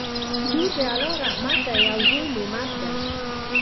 لور د الله رحمت دی او زوی نعمت دی